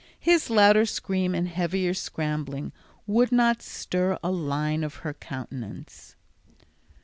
His louder scream and heavier scrambling would not stir a line of her countenance.